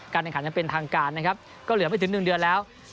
แข่งขันยังเป็นทางการนะครับก็เหลือไม่ถึง๑เดือนแล้ว